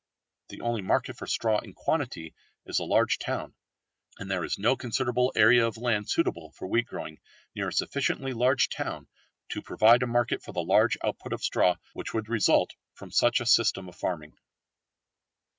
The only market for straw in quantity is a large town, and there is no considerable area of land suitable for wheat growing near a sufficiently large town to provide a market for the large output of straw which would result from such a system of farming.